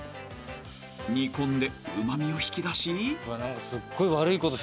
［煮込んでうま味を引き出し］